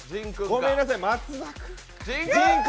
ごめんなさい、松田君。